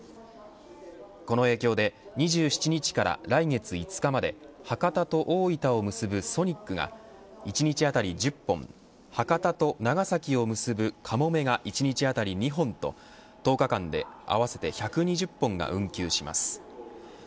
この影響で２７日から来月５日まで博多と大分を結ぶソニックが１日あたり１０本博多と長崎を結ぶかもめが１日あたり２本と１０日間で合わせて１２０本が運休します。